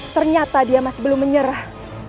ternyata dia masih belum menyerah